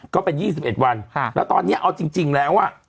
ก็เป็นยี่สิบเอ็ดวันค่ะแล้วตอนเนี้ยเอาจริงจริงแล้วอ่ะ